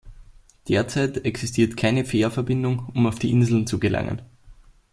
Derzeit existiert keine Fährverbindung um auf die Inseln zu gelangen.